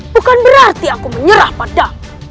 bukan berarti aku menyerah pada